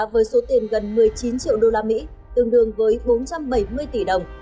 với số tiền gần một mươi chín triệu đô la mỹ tương đương với bốn trăm bảy mươi tỷ đồng